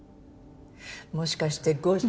もしかしてごしゅ。